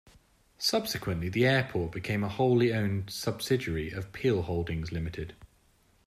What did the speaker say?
Subsequently, the airport has become a wholly owned subsidiary of Peel Holdings Ltd.